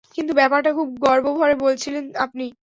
কিন্তু ব্যাপারটা খুব গর্বভরে বলেছিলেন আপনি।